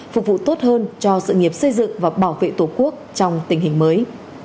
phục vụ tốt hơn cho sự nghiệp xây dựng và bảo vệ tổ quốc trong tình hình mới